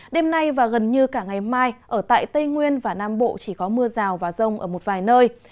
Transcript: đêm nay và gần như cả ngày mai ở tại tây nguyên và nam bộ chỉ có mưa rào và rông ở một vài nơi